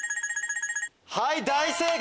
はい大正解！